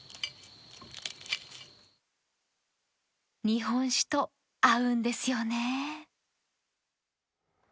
日本酒と合うんですよね。